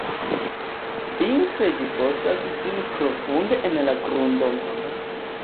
Vintre ĝi fosas sin profunde en la grundon.